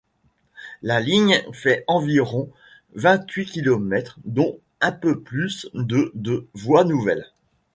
La ligne fait environ vingt-huit kilomètres dont un peu plus de de voies nouvelles.